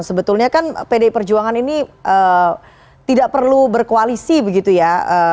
sebetulnya kan pdi perjuangan ini tidak perlu berkoalisi begitu ya